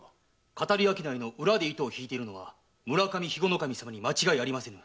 騙り商いの裏で糸を引くのは村上肥後守様に間違いありません。